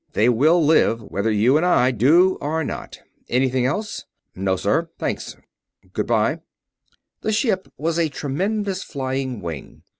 They will live, whether you and I do or not. Anything else?" "No, sir. Thanks. Goodbye." The ship was a tremendous flying wing.